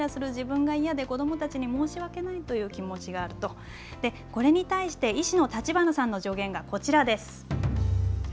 そしていらいらする自分が嫌で、子どもたちに申し訳ないという気持ちがあると、これに対して、医師の立花さんの助言がこちらです。